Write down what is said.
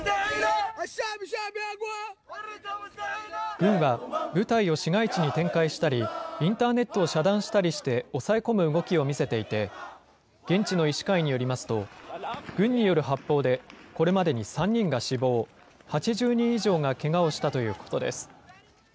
軍は部隊を市街地に展開したり、インターネットを遮断したりして、抑え込む動きを見せていて、現地の医師会によりますと、軍による発砲で、これまでに３人が死亡、８０人以上がけがをしたということです。